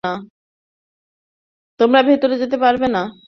তোমরা ভেতরে যেতে পারবে না।